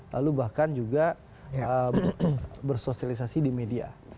lalu bahkan juga bersosialisasi di media